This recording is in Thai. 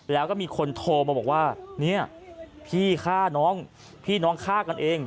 แล้วก็มีคนโทรมาบอกว่าเนี่ยพี่ฆ่าน้องพี่น้องฆ่ากันเอง